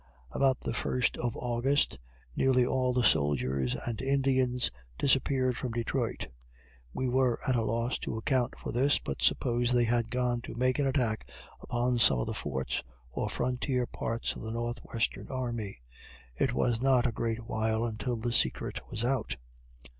About the first of August, nearly all the soldiers and Indians disappeared from Detroit. We were at a loss to account for this, but supposed they had gone to make an attack upon some of the forts, or frontier parts of the Northwestern Army. It was not a great while until the secret was out.